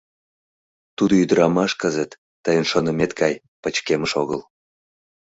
Тудо ӱдырамаш кызыт, тыйын шонымет гай, пычкемыш огыл.